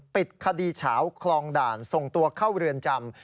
ปิดคดีเฉาคลองด่านส่งตัวเข้าเรือนจำ